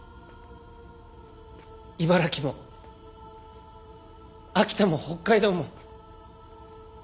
茨城も秋田も北海道も。